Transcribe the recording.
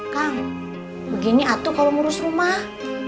kang begini atu kalau ngurus rumah